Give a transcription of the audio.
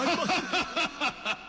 ハハハハハ！